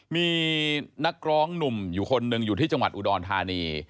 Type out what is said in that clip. มีนักร้องหนุ่มอยู่คนหนึ่งอยู่ที่จังหวัดอุดรธานี